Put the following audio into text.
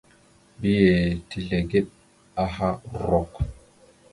Mbiyez tezlegeɗ aha rrok.